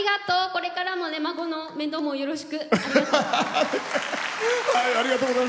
これからも孫の面倒もよろしく。